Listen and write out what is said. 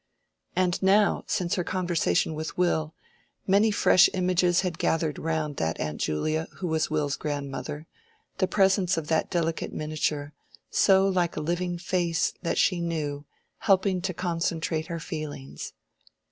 And now, since her conversation with Will, many fresh images had gathered round that Aunt Julia who was Will's grandmother; the presence of that delicate miniature, so like a living face that she knew, helping to concentrate her feelings.